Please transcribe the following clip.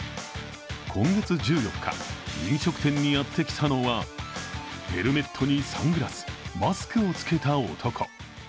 今月１４日、飲食店にやってきたのはヘルメットにサングラス、マスクを着けた男。